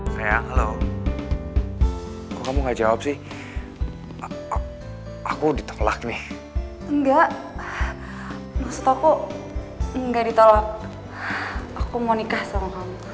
sayang lo mah kamu gak jawab sih aku ditelep nih enggakinspiel tahu enggak di tolak akum rectang